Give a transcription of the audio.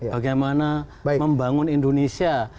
bagaimana membangun indonesia